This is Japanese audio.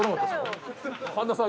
神田さん